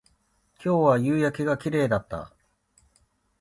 今日は夕焼けが綺麗だった